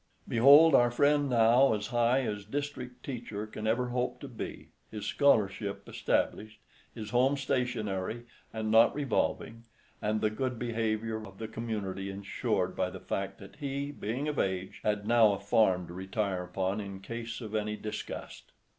Behold our friend now as high as district teacher can ever hope to be—his scholarship established, his home stationary and not revolving, and the good behavior of the community insured by the fact that he, being of age, had now a farm to retire upon in case of any disgust.